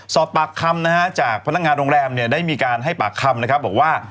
สอบปากคำนะฮะจากพนักงานโรงแรมเนี่ยได้มีการให้ปากคำนะครับบอกว่า